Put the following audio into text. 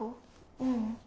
・ううん。